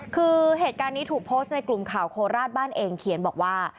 คือเหตุการณ์นี้ถูกโพสต์ในกลุ่มข่าวโคราชบ้านเองเขียนบอกว่า